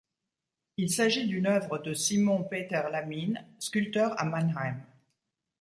Il s'agit d'une œuvre de Simon Peter Lamine, sculpteur à Mannheim.